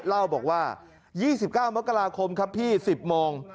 เล่าบอกว่า๒๙มกราคมครับพี่๑๐โมง